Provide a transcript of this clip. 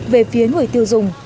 về phía người tiêu dùng